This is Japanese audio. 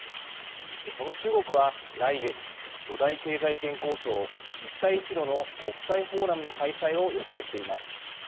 その中国は来月、巨大経済圏構想、一帯一路の国際フォーラムの開催を予定しています。